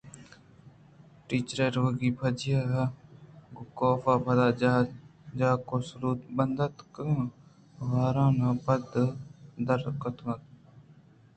ٹیچر ءِ روگ ءِ پجی ءَ گوں کاف ءَ پدا جاک ءُسلوات بندات کُت ءُآوان ءَ بد ءُرد کُت اَنت